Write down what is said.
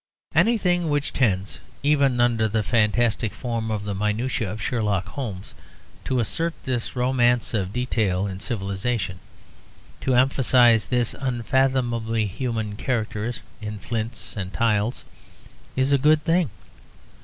Anything which tends, even under the fantastic form of the minutiae of Sherlock Holmes, to assert this romance of detail in civilization, to emphasize this unfathomably human character in flints and tiles, is a good thing.